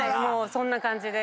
そんな感じです。